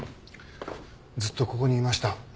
ずっとここにいました。